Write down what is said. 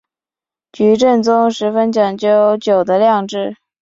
菊正宗十分讲究酒的酿制。